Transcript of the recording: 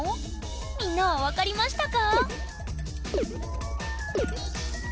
みんなは分かりましたか？